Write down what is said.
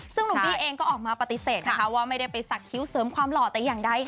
ซึ่งหนุ่มบี้เองก็ออกมาปฏิเสธนะคะว่าไม่ได้ไปสักคิ้วเสริมความหล่อแต่อย่างใด